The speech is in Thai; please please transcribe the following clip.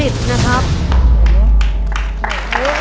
ถูกถูกถูก